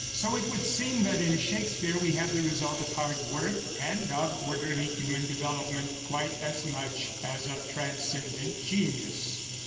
So it would seem that in Shakespeare we have the result of hard work and of orderly human development, quite as much as of transcendent genius.